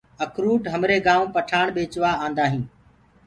اکروُٽ همرآ گآئونٚ پٺآڻ ڀيچوآ آندآ هين۔